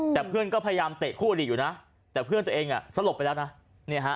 แต่เพื่อนก็พยายามเตะคู่อดีตอยู่นะแต่เพื่อนตัวเองสลบไปแล้วนะ